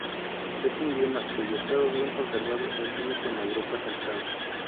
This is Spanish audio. Es un bioma cuyo estado bien conservado es único en Europa central.